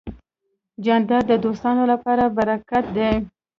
جانداد د دوستانو لپاره برکت دی.